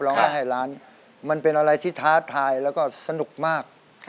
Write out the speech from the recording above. ร้องได้ให้ล้านมันเป็นอะไรที่ท้าทายแล้วก็สนุกมาก